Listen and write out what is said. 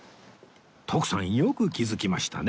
徳さんよく気づきましたね